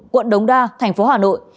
quận đống đa thành phố hà nội